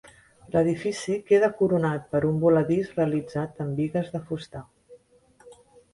L'edifici queda coronat per un voladís realitzat amb bigues de fusta.